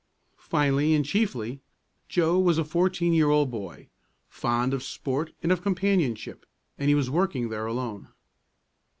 Finally, and chiefly: Joe was a fourteen year old boy, fond of sport and of companionship, and he was working there alone.